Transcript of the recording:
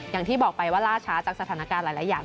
อย่างที่บอกไปว่าล่าช้าจากสถานการณ์หลายอย่าง